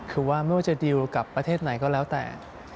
คือว่าไม่ว่าจะดีลกับประเทศไหนก็แล้วแต่